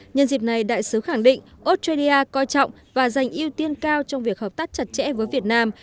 nhân dịp này đại sứ khẳng định australia coi trọng và dành ưu tiên cao trong việc hợp tác chặt chẽ với việt nam